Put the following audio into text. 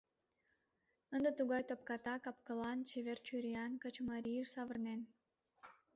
Ынде тугай топката капкылан, чевер чуриян качымарийыш савырнен.